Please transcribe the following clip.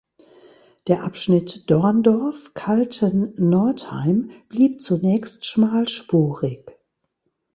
Der Abschnitt Dorndorf–Kaltennordheim blieb zunächst schmalspurig.